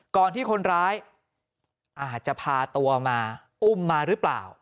ก่อนที่คนร้ายอาจจะพาตัวมาอุ้มมาหรือเปล่า